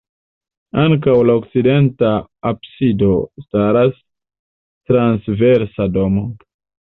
Antaŭ la okcidenta absido staras transversa domo.